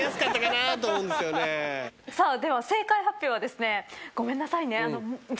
さあでは正解発表はですねごめんなさいね。